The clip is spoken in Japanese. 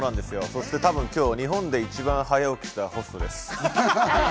そして日本で一番早起きしたホストです。